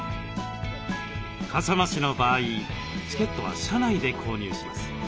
笠間市の場合チケットは車内で購入します。